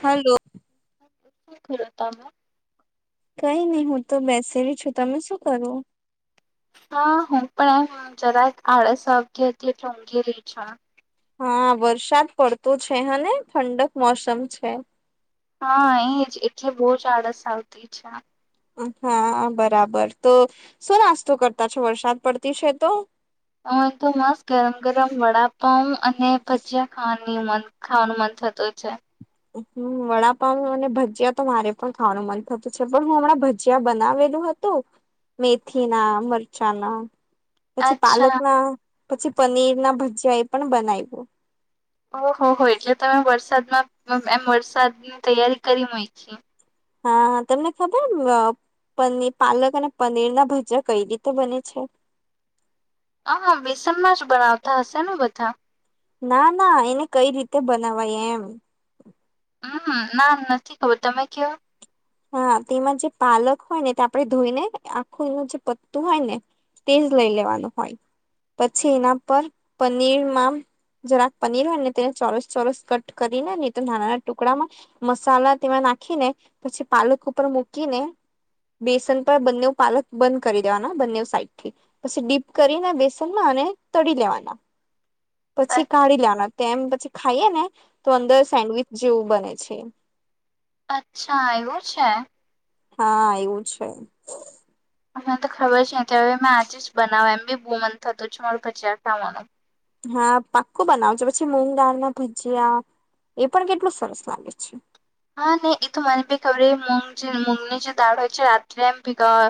હાલો. શ [unintelligible] તમાં કઈ નહી હું તો બેસેલુ છું. તમે શું કરો? હા હું પણ એમ જરાક આળસ આવતી હતી એટલે ઊંઘી રેય છું. હા વરસાદ પડતો છે હને ઠંડક મોસમ છે. હા એ જ એટલે બહુ જ આળસ આવતી છે. હા બરાબર તો શું નાસ્તો કરતા છો વરસાદ પડતી છે તો અ તો મસ્ત ગરમ ગરમ વડાપાવ અને ભજીયા ખાવાની મ ખાવાનું મન થતો છે. હમ વડાપઉ અને ભજીયા તો મારે પણ ખાવાનું મન થતું છે પણ હું હમણાં ભજીયા બનાવેલું હતું મેથી ના, મરચાં ના પછી પાલક અચ્છા ના, પછી પનીર ના ભજીયા એ પણ બનાવ્યું. ઓહો હો એટલે તમે વરસાદમાં એમ વરસાદની તૈયારી કરી મુયકી. હા હા તમને ખબર મ પનીર પાલક અને પનીર ના ભજીયા કઈ રીતે બને છે? હા બેસનમાં જ બનાવતા હશે ને બધા! ના ના એને કઈ રીતે બનાવાય એમ. હમ ના નથી ખબર તમે કયો? હા તેમાં જે પાલક હોય ને તે આપણે ધોઈ ને આખુંનું જે પત્તું હોય ને તેજ લઈ લેવાનું હોય પછી એના પર પનીરમાં જરાક પનીર હોય ને તેને ચોરસ ચોરસ કટ કરીને ને તો નાના નાના ટુકડામાં મસાલા તેમાં નાખીને પછી પાલક ઉપર મૂકીને બેસન પર બંને પાલક બંધ કરી દેવાના બંને સાઈડથી પછી ડીપ કરીને બેસનમાં અને તળી લેવાના. હ પછી કાઢી લેવાના તેમ પછી ખાઈએ ને તો અંદર સેન્ડવીચ જેવું બને છે. અચ્છા એવું છે. હા એવું છે. મને તો ખબર છે હવે મે આજે જ બનાવ એમ બી બહુ મન થતું છે. ભજીયા ખાવાનું. હા પાક્કો બનાવજો પછી મૂગ દાળમાં ભજીયા એ પણ કેટલું સરસ લાગે છે. હા નહી એ તો મને ભી ખબર મ મૂગની જે દાળ હોય છે રાત્રે એમ ભેગા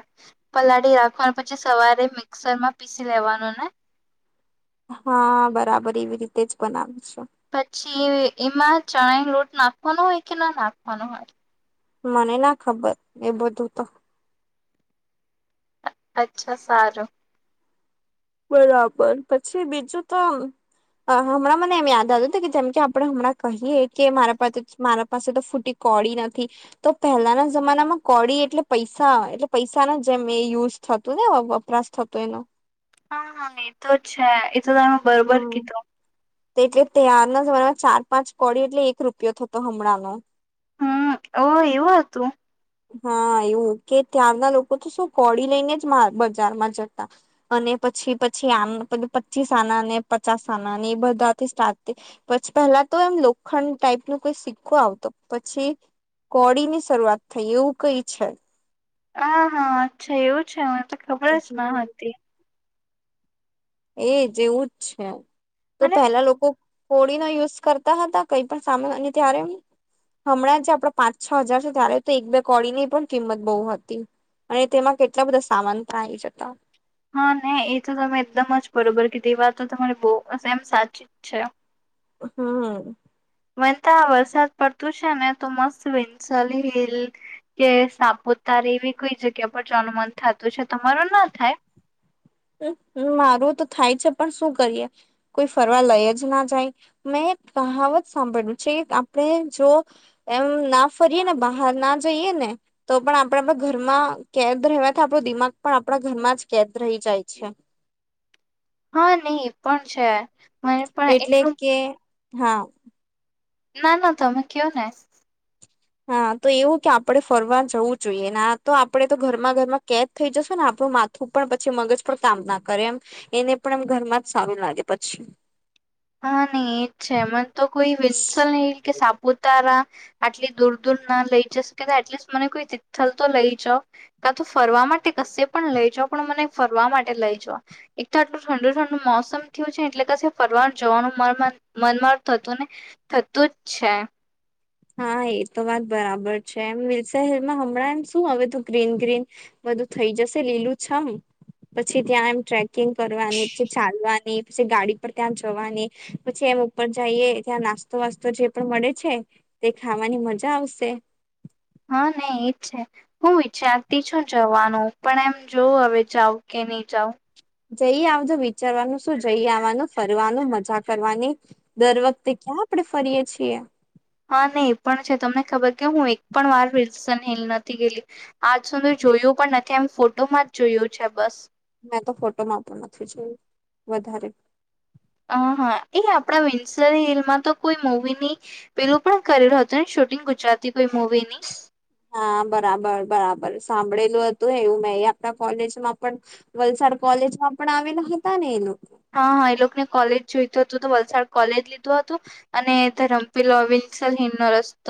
પલાડી રાખવાનું પછી સવારે મિક્સરમાં પીસી લેવાનું ને! હા બરાબર એવી રીતે જ બનાવ છો. પછી એમાં ચણા ન લોટ નાખવાનો હોય કે ના નાખવાનો હોય? મને ના ખબર એ બધું તો. અચ્છા સારું. બરાબર પછી બીજું તો હમણાં મને એમ યાદ આવ્યું હતું કે જેમ કે આપડે હમણાં કહીએ કે મારા પાસે મારા પાસે તો ફૂટી કોડી નથી તો પહેલાના જમાનામાં કોડી એટલે પૈસા એટલે પૈસાના એ યુઝ થતું ને વપરાશ થતો એનો! હા હા મે તો જ છે એ તો તમે બરોબર હમ કીધું. એટલે ત્યારના જમામાં ચાર પાંચ કોડી એટલે એક રૂપિયો થતો હમણાંનો. હમ ઓ એવું હતું. હા એવું કે [unintelligible] ના લોકો તો શું [unintelligible] લઈને જ મા બજારમાં જતા અને. પછી પછી આ [unintelligible] પચીસ આના ને પચાસ આના ને એ બધા. સ્ટાર પછી પેલા તો એમ લોખંડ ટાઈપ ન કોઈ સિક્કો આવતો પછી. [unintelligible] ની શરૂઆત થઈ એવું કઈ છે. હ હા અચ્છા એવું છે, મને તો ખબર જ ન હતી. એ જેવું જ છે, તો અને પેલા લોકો. હોળી નો યુઝ કરતા હતા કઈ પણ સામાન ત્યારે. હમણાં જે આપડો પાંચ છ હજાર છે, ત્યારે તો એક બે કોડી ની પણ કિંમત બહુ હતી. અને તેમાં કેટલા બધા સામાન પણ આવી જતા. હા ને એ તો તમે એકદમ જ બરોબર કે તે વા તો તમારે બહુ [unintelligible] સાચી જ છે. [unintelligible] [unintelligible] વરસાદ પડતું છે, ને તો મસ્ત વિંસલ હિલ કે સાપુત તારે એવી કોઈ જગ્યા પર જ અનુમાન થતું છે, તમારું ના થાય. હ મારું તો થાય છે, પણ શું કરીએ કોઈ ફરવા લઈ જ ના જાય મે. [unintelligible] સાંભળ્યું છે, આપણે જો એમ ના ફરીએ ને બહાર ના જઈએ. ને તો પણ આપણે આપ ઘરમાં કેદ રવાથી આપણો દિમાગ પણ આપણા ઘરમાં જ કેદ રહી જાય. અચ્છા. હા નહી પણ છે. મને પણ એટલે એટલું કે હા. ના ના તમે કયો ને. હા તો એવું કે આપડે ફરવા જવું જોઈએને તો આપડે તો ઘરમાં ઘરમાં કેદ થઈ જશ ને આપ માથું પણ પછી મગજ પણ કામ ના કરે એમ એને પણ એમ ઘરમાં જ સારું લાગે પછી. હા નહી એજ છે, મને તો કોઈ વિન્સલ ન કે સાપ [unintelligible] આટલી દૂર દૂર ના લઈ જશેકે એટલી મને કોઈ તીથલ તો લઈ જા કા તો ફરવા માટે કશે પણ લઈ જા પણ મને ફરવા માટે લઈ જા એક તો આટલું ઠંડુ ઠંડુ મોસમ. મોસમ થયું છે, એટલે [unintelligible] જોવાનું મનમર થતુંને થતું જ છે. હા એ તો વાત બરાબર છે, એમ [unintelligible] હમણાં એમ શું હવે તો ગ્રીન ગ્રીન બધું થઈ જાય. [unintelligible] લીલું [unintelligible] પછી ત્યાં એમ ટ્રેકિંગ કરવાની [unintelligible] ચાલવાની. પછી ગાડી પર ત્યાં જવાની પછી એમ ઉપર જઈએ ત્યાં નાસ્તો વાસ્તો જે પણ મળે છે. તે ખાવાની મજા આવશે. હા નઈ એ જ છે, હું ચારતી છું જવાનું પણ એમ જોવ હવે [unintelligible] કે નહી [unintelligible] જઈ આવજો વિચારવાનું શું જઈ આવવાનું ફરવાનું મજા કરવાની દર વખતે ક્યાં. આપડણે ફરીએે છીએ. હા નહી એ પણ છે, તમને ખબર કે હું એક પણ વાર [unintelligible] નથી ગેલી આજ સુધી જો. જોયું પણ નથી એમ ફોટોમાં જ જોયું છે, બસ. મેં તો ફોટો માપું નથી જોયું વધારે. હ હા એ આપણા [unintelligible] તો કોઈ મવી ની પેલું પણ [unintelligible] હતું. શૂટિંગ ગુજરાતી. કોઈ મૂવીની. હા બરાબર બરાબર. સાંભળેલું હતું એવું મે આપણા કોલેજમાં પણ વલસાડ કોલેજમાં પણ આવેલા હતા ને એનું. હા હા એ લોકોને કોલેજ જોઈતું હતું તો વલસાડ કોલેજ લીધું હતું અને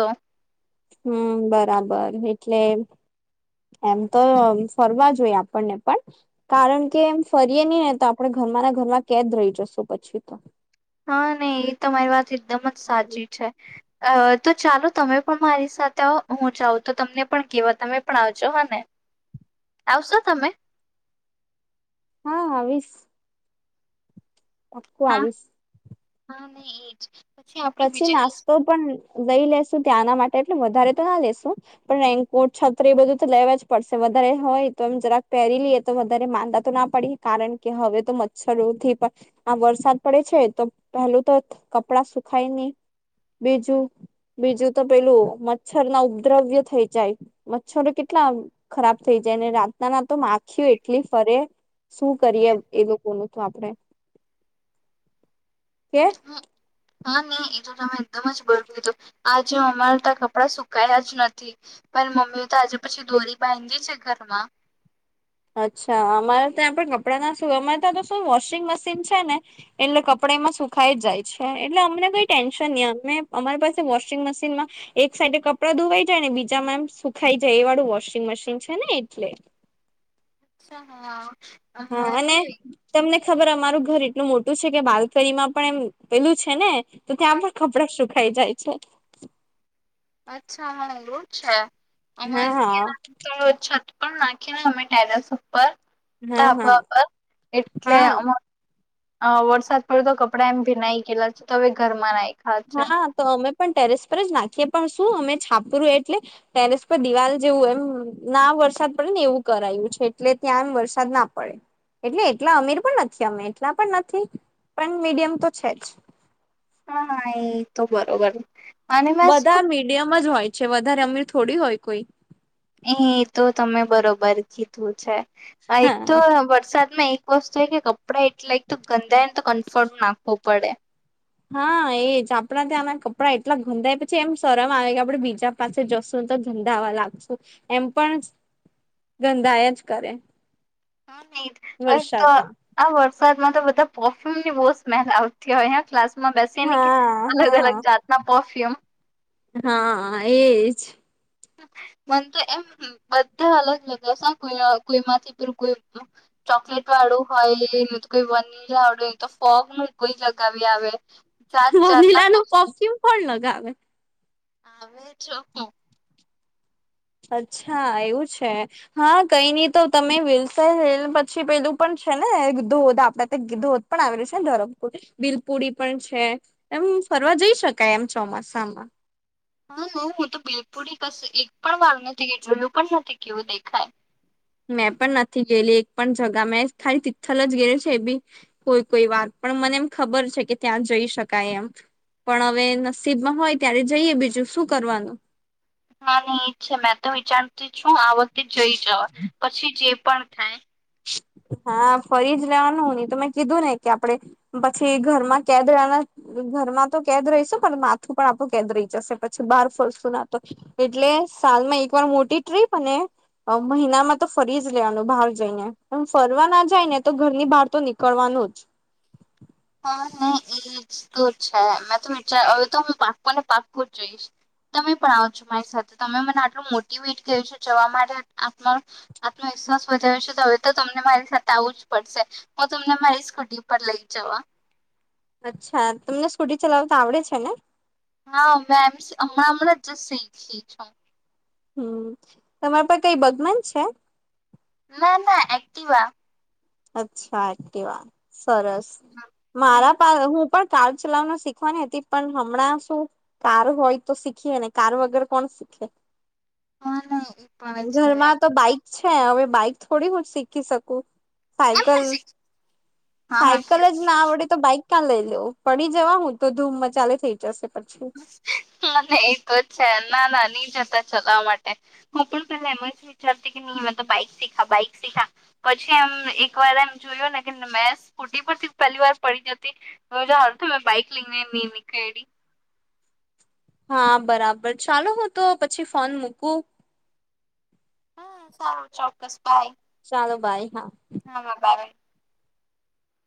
[unintelligible] [inaudible] હમ બરાબર એટલે. એમ તો ફરવા જોઈ આપણને પણ કારણ કે. ફરીએ નહી ને તો આપણે ઘરમાં ના ઘરમાં કે જ રહી જશુ પછી. હા નહી એ તમા મારી વાત એકદમ જ સાચી છે. અ તો ચાલો તમે પણ મારી સાથે હું જાઉં તો તમને પણ કેવા તમે પણ આવજો હ ને. આવશો તમે હા આવીશ પાકું હા. આવીશ હા મે એજ આપડે પછી બીજે નાસ્તો હા પણ લઈ લેેશુ ત્યાંના માટે એટલે વધારે તો ના લેેશુ પણ રેન્કોટ છત્રી એ બધું તો લેવા જ પડશે વધારે હોય તો એમ જરાક પેરી લઈએ તો વધારે માંદા તો ના પડી કારણ કે હવે તો મચ્છરોથી પણ આ વરસાદ પડે છે, તો પેહલું તો કપડા સુખાય ની બીજું બીજું તો પેલું મચ્છર ના ઉપદ્રવ્ય થઈ જાય મચ્છરો કેટલા ખરાબ થઈ જાય અને રાતના ના તો માખ્યું એટલી ફરે શું કરીએ એ લોકોનું તો આપડે કે હા નહી એ તો તમે એકદમ જ બરતુ હતું આજ અમારા તા કપડા સુકાયા જ નથી પણ મમ્મી તો આજે પછી દોરી બાયધી છે, ઘરમાં અચ્છા અમારે ત્યાં પણ કપડા ના શું અમારે ત્યાં તો શું વોશિંગ મશીન છે, ને એટલે કપ ડા એમાં સુખાઈ જ જાય છે, એટલે અમને કઈ ટેન્શન ની અમે અમારી પાસે વોશિંગ મશીનમાં એક સાઈડે કપડાં ધોવાઈ જાય ને બીજામાં એમ સુખાય જાય એ વાળું વોશિંગ મશીન છે, ને એટલે અચ્છા હા હા અને તમને ખબર અમારું ઘર એટલું મોટું છે, કે બાલકનીમાં પણ એમ પેલું છે, ને તો ત્યાં પણ કપડા સુ ખાઈ જાય છે. અચ્છા લોટ છે, છે હા અમારે હા તો [inaudible] પણ નાખી ને અમે ટેરેસ ઉપર હા હા ધાબા પર એટલે હા અમા અ વરસાદ પડ્યો તો કપડાં એમ ભીનાઈ ગેલા છે, તો હવે ઘરમાં ના હા ના તો અમે પણ ટેરેસ પર જ નાખીએ પણ શું અમે છાપરું એટલે ટેરેસ પર દિવાલ જેવું એમ ના વરસાદ પડે ને એવું કરાયવું છે, એટલે ત્યાં વરસાદ ના પડે એટલે એટલા અમીર પણ નથી અમે એટલા પણ નથી પણ મીડિયમ તો છે, જ હા હા એ તો બરોબર અને મેં શું બધા મીડિયમ જ હોય છે, વધારે અમીર થોડી હોય કોઈ એ તો તમે બરોબર કીધું છે, એક તો હા વરસાદમાં એક એક વસ્તુ એ કે કપડા એટલા એક તો ગંધાયને તો કમફર્ટ નાખવો પડે હા એજ આપડા ત્યાંના કપડાં એટલા ગંધાય પછી એમ શરમ આવે કે આપડે બીજા પાસે જશું તો ધંધામાં લાગશું એમ પણ ગંધાય જ કરે [inaudible] તો વરસાદમાં આ વર્ષ વરસાદમાં તો બધા પરફ્યુમની બો સ્મેલ આવતી હોય ક્લાસ માં બેસીને કે હા અલગ અલગ હા જાતના પર્ફ્યુમ હા એજ મને તો એમ બધા અલગ અલગ હશે કોઈ કોઈ માંથી પેલુ કોઈ ચોકલેટ વાળું હોય એ તો કોઈ વનીલા વાળું હોય તો ફોગનું જ કોઈ લગાવી આવે જાત જાતના વનીલાનું પરફ્યુમ કોણ લગાવે આવે જો અચ્છા એવું છે હા કઈ ની તો તમે વિલસન હિલ પછી પેલું પણ છે ને ધોધ આપણા ધોધ પણ આવેલું છે, ને ધરમપુર બીલપુડી પણ છે, એમ ફરવા જઈ શકાય એમ ચોમાસામાં હા [inaudible] બીલપુડી પાસે એક પણ વાર નથી કે જોયું પણ નથી કેવું દેખાય મેં પણ નથી ગયેલી એક પણ જગા મેં ખાલી તિથલ જ ગેલી છે, એ બી કોઈ કોઈ વાર પણ મને એમ ખબર છે, કે ત્યાં જઈ શકાય એમ પણ હવે નસીબમાં હોય ત્યારે જઈએ બીજું શું કરવાનું. હા ઈ છે મેં તો વિચારતી છું આ વખતે જઈજ આવા પછી જે પણ થાય હા ફરી જ લેવાનું નહી તમે કીધું ને કે આપડે પછી ઘરમાં કેદ રહેવાના ઘરમાં તો કેદ રહીશું પણ માથું પણ આપણું કેદ રહી જશે પછી બહાર ફરશું ના તો એટલે તા સાલમાં એક વાર મોટી ટ્રીપ અને મહિનામાં તો ફરી જ લેવાનું બહાર જઈને. પણ ફરવા ના જાય ને તો ઘરની બહાર તો નીકળવાનું જ. નહી એ જ તો છે મેં તો વિચાર હવે તો હું પાકુંને પાકું જ જઈશ. તમે પણ આવો છો મારી સાથે તમે મને આટલું મોટીવેટ કર્યું છે જવા માટે આપને આપણે વિશ્વાસ વધાર્યો છે હવે તો તમને મારી સાથે આવું જ પડશે હું તમને મારી સ્કૂટી પર લઈ જવા. અચ્છા તમને સ્કૂટી ચલાવતા આવડે છે ને? હા મેમ, હમણાં હમણાં જ શીયખી છું. હમ્મ, તમારા પર કઈ બદનામ છે? ના ના એક્ટીવા. અચ્છા વાત સરસ કેમ મારા પા હું પણ કાર ચલાવનું શીખવાની હતી પણ હમણાં શું કાર હોય તો શીખીએ ને કાર વગેર કોણ ખે. હા નઈ ઘરમાં તો બાઈક છે હવે બાઈક થોડી હું જ શીખી શકું. સાઈકલ હા સાયકલ હા જ ના આવડે તો બાઈક ક્યાં લઈ લેવ પડી જવા હું તો ધૂમ મ ચાલે થઇ જશે. પછી એ તો જ છે ના ના ની જતા ચલાવવા માટે. હું પણ પેલા એમ જ વિચારતી કે નહી તો બાઈક શીખા બાઈક સીખા પછી એક વાર એમ જોયો ને કે મે ફૂટ પર થી પહેલી વાર પડી જતી જા તો મેં બાઈક લઈને ની નીકયલી. હા બરાબર, ચાલો હું તો પછી ફોન મૂકું. હમ્મ, સારું ચોક્કસ બાઈ. ચાલો બાઈ હા. હામાં બાઈ.